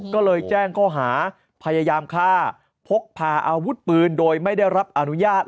ก็เลยแจ้งข้อหาพยายามฆ่าพกพาอาวุธปืนโดยไม่ได้รับอนุญาต